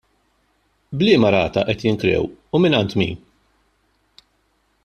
B'liema rata qed jinkrew u mingħand min?